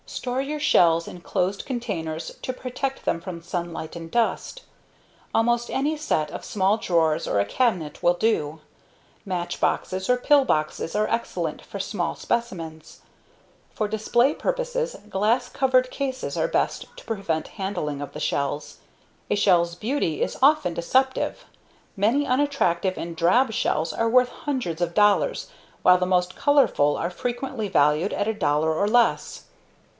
Store your shells in closed containers to protect them from sunlight and dust. Almost any set of small drawers or a cabinet will do. Matchboxes or pillboxes are excellent for small specimens. For display purposes, glass covered cases are best to prevent handling of the shells. A shell's beauty is often deceptive. Many unattractive and drab shells are worth hundreds of dollars while the most colorful are frequently valued at a dollar or less.